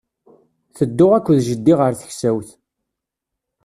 Tedduɣ akked jeddi ɣer taksawt.